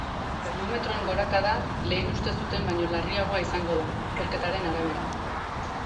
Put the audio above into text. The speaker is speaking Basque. Termometroen gorakada lehen uste zuten baino larriagoa izango da, ikerketaren arabera.